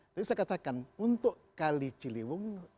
tapi saya katakan untuk kali ciliwung